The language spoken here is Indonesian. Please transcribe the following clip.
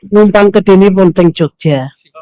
ngumpang ke dini pun teng jogja